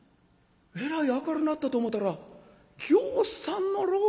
えらい明るなったと思ったらぎょうさんのろうそくや。